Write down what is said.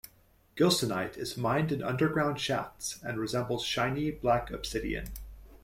Gilsonite is mined in underground shafts and resembles shiny black obsidian.